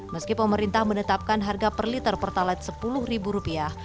meski pemerintah menetapkan harga per liter pertalite sepuluh ribu rupiah